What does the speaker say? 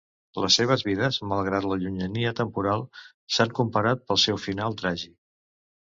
Les seves vides, malgrat la llunyania temporal, s'han comparat pel seu final tràgic.